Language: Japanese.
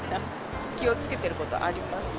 気をつけてることあります？